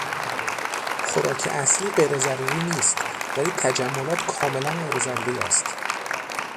خوراک اصلی غیرضروری نیست ولی تجملات کاملا غیر ضروری است.